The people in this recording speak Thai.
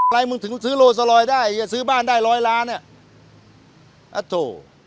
อะไรมึงถึงซื้อโรสลอยได้ซื้อบ้านได้ร้อยล้านเนี่ยอะโถ